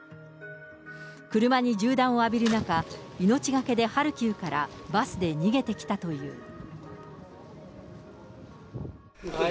車に銃弾を浴びる中、命懸けでハルキウからバスで逃げてきたという。